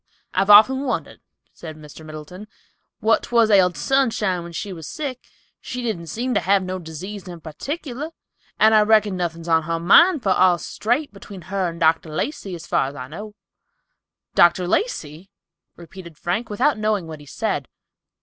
"I've often wondered," said Mr. Middleton, "what 'twas ailded Sunshine when she was sick. She didn't seem to have no disease in particular, and I reckon nothin's on her mind, for all's straight between her and Dr. Lacey, as far as I know." "Dr. Lacey!" repeated Frank, without knowing what he said.